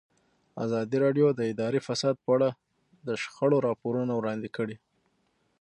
ازادي راډیو د اداري فساد په اړه د شخړو راپورونه وړاندې کړي.